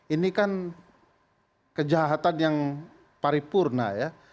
ini kan kejahatan yang paripurna ya